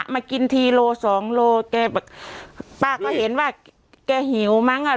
มากินทีโลสองโลแกแบบป้าก็เห็นว่าแกหิวมั้งอ่ะ